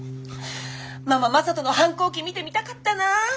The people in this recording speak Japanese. ママ正門の反抗期見てみたかったなー！